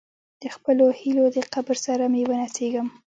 د خپلو هیلو د قبر سره مې ونڅیږم.